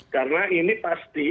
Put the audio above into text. karena ini pasti